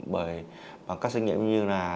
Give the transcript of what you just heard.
bởi các sinh nhận như là